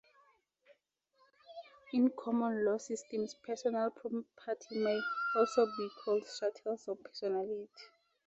In common law systems, personal property may also be called chattels or personalty.